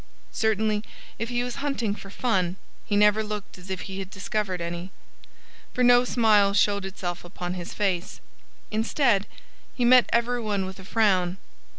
Certainly if he was hunting for fun, he never looked as if he had discovered any. For no smile showed itself upon his face. Instead, he met every one with a frown.